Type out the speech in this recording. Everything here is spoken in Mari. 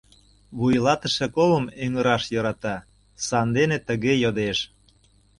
Вуйлатыше колым эҥыраш йӧрата, сандене тыге йодеш.